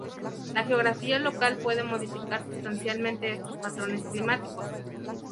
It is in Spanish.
La geografía local puede modificar sustancialmente estos patrones climáticos.